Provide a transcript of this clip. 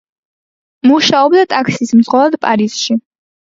მუშაობდა ტაქსის მძღოლად პარიზში.